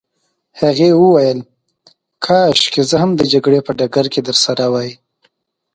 هغې وویل: کاشکې زه هم د جګړې په ډګر کي درسره وای.